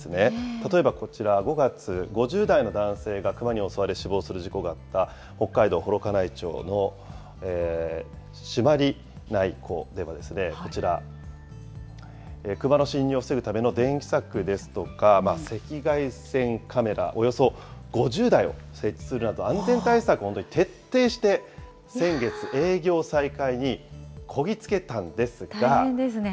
例えばこちら、５月、５０代の男性がクマに襲われ死亡する事故があった、北海道幌加内町の朱鞠内湖では、こちら、クマの侵入を防ぐための電気柵ですとか、赤外線カメラ、およそ５０台を設置するなど、安全対策、本当に徹底して先月、大変ですね。